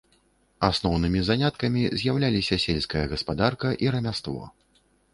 Асноўнымі заняткамі з'яўляліся сельская гаспадарка і рамяство.